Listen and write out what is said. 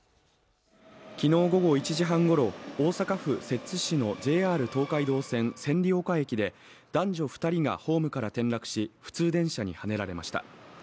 昨日午後１時半ごろ、大阪府摂津市のＪＲ東海道線・千里丘駅で男女も２人がホームから転落し、普通電車にはねられました。